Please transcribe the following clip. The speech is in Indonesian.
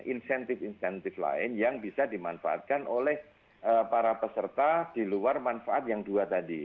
insentif insentif lain yang bisa dimanfaatkan oleh para peserta di luar manfaat yang dua tadi